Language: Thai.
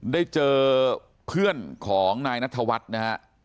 ได้เจอเพื่อนของนายนัทวัฒน์นะฮะ